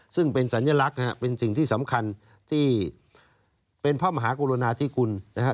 ซึ่งเป็นสัญลักษณ์นะครับเป็นสิ่งที่สำคัญที่เป็นพระมหากรุณาธิคุณนะครับ